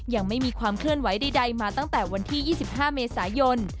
ยังไม่มีความเคลื่อนไหวใดมาตั้งแต่วันที่๒๕เมษายน